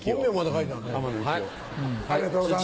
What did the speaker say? ありがとうございます。